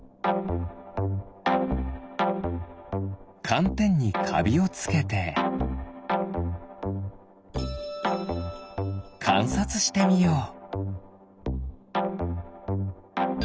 かんてんにかびをつけてかんさつしてみよう。